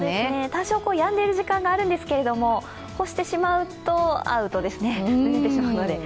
多少、やんでいる時間があるんですけれども干してしまうとアウトですね、濡れてしまうので。